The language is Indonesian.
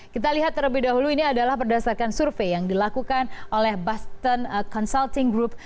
kita lihat terlebih dahulu ini adalah berdasarkan survei yang dilakukan oleh boston consulting group